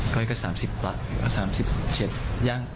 ก้อยก็๓๐ประมาณ